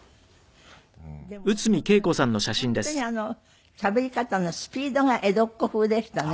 でも本当に本当にしゃべり方のスピードが江戸っ子風でしたね。